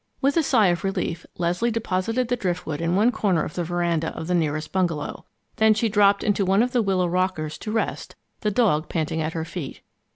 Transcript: With a sigh of relief, Leslie deposited the driftwood in one corner of the veranda of the nearest bungalow. Then she dropped into one of the willow rockers to rest, the dog panting at her feet.